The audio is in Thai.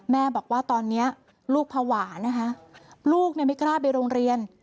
แม่บอกว่าตอนนี้ลูกภาวะนะคะลูกไม่กล้าไปโรงเรียน